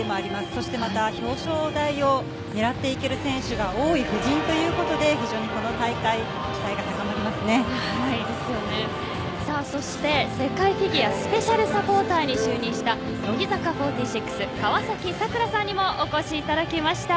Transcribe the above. そしてまた表彰台を狙っていける選手が多い布陣ということで非常にこの大会そして世界フィギュアスケートスペシャルサポーターに就任した乃木坂４６、川崎桜さんにもお越しいただきました。